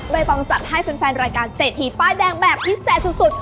ใบบางสัตว์ให้แฟนรายการ๗ถีป้ายแดงแบบพิเศษสุด